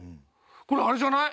これあれじゃない？